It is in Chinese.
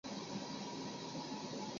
主关注点。